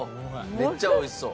めっちゃおいしそう。